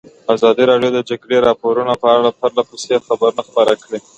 ازادي راډیو د د جګړې راپورونه په اړه پرله پسې خبرونه خپاره کړي.